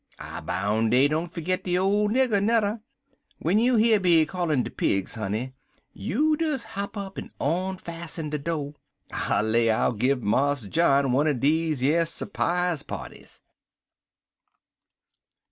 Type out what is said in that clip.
I bound' dey don't fergit de ole nigger, nudder. W'en you hear me callin' de pigs, honey, you des hop up en onfassen de do'. I lay I'll give Marse John one er dese yer 'sprize parties."